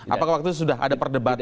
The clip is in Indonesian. apakah waktu itu sudah ada perdebatan